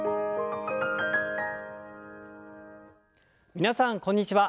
皆さんこんにちは。